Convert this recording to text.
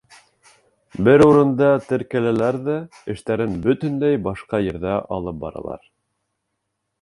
Бер урында теркәләләр ҙә эштәрен бөтөнләй башҡа ерҙә алып баралар.